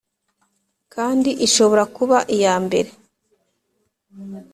kandi ishobora kuba iya mbere